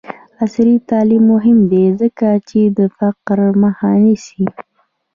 عصري تعلیم مهم دی ځکه چې د فقر مخه نیسي.